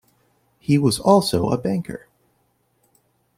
He was also a banker.